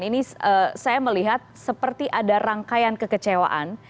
ini saya melihat seperti ada rangkaian kekecewaan